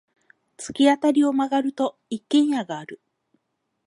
突き当たりを曲がると、一軒家がある。